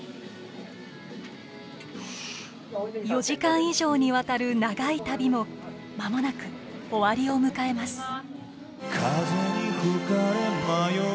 ４時間以上にわたる長い旅も間もなく終わりを迎えます。